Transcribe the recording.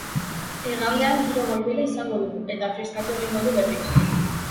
Igandean giro goibela izango dugu, eta freskatu egingo du berriro.